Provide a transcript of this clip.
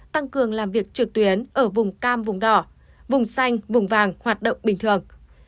tăng cường làm việc trực tuyến ở vùng cam vùng đỏ vùng xanh vùng vàng hoạt động bình thường